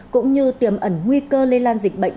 cũng như tiềm ẩn nguy cơ lây lan dịch bệnh